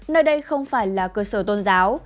nơi đây không phải là cơ sở tôn giáo